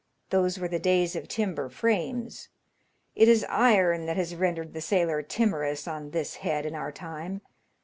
Those were the days of timber frames. It is iron that has rendered the sailor timorous on this head in our time.